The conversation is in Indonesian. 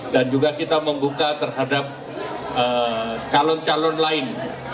dan juga kita membuka terhadap calon calon lain